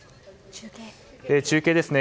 中継ですね。